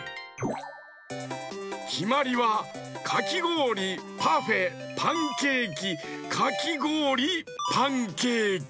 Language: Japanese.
きまりはかきごおりパフェパンケーキかきごおりパンケーキ。